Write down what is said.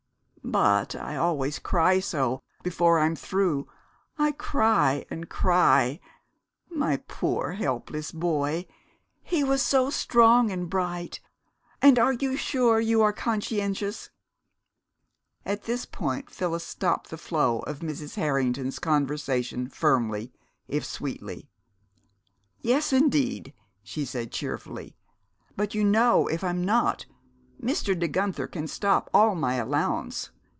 But I always cry so before I'm through I cry and cry my poor, helpless boy he was so strong and bright! And you are sure you are conscientious " At this point Phyllis stopped the flow of Mrs. Harrington's conversation firmly, if sweetly. "Yes, indeed," she said cheerfully. "But you know, if I'm not, Mr. De Guenther can stop all my allowance.